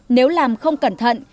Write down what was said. nếu làm không cẩn thận